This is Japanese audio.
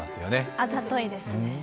あざといですね。